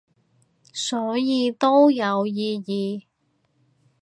所以都有意義